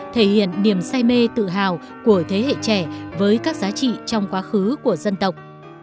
thể hiện niềm say mê tự hào của thế hệ trẻ với các giá trị trong quá khứ của dân tộc